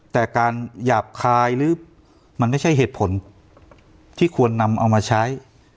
แต่การหยาบคายหรือมันไม่ใช่เหตุผลที่ควรนำเอามาใช้